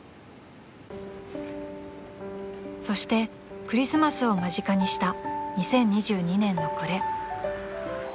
［そしてクリスマスを間近にした２０２２年の暮れ］